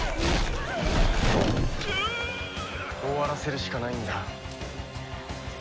終わらせるしかないんだ。